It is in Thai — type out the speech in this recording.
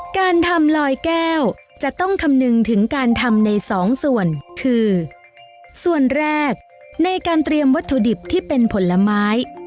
การทำลอยแก้วจะต้องคำนึงถึงการทำในสองส่วนคือส่วนแรกในการเตรียมวัตถุดิบที่เป็นผลไม้